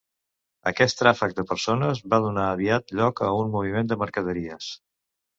Aquest tràfec de persones va donar aviat lloc a un moviment de mercaderies.